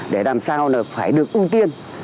để làm sao phải được ưu tiên